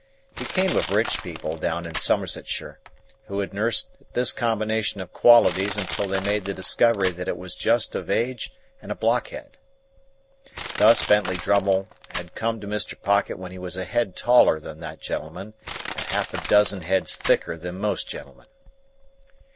He came of rich people down in Somersetshire, who had nursed this combination of qualities until they made the discovery that it was just of age and a blockhead. Thus, Bentley Drummle had come to Mr. Pocket when he was a head taller than that gentleman, and half a dozen heads thicker than most gentlemen.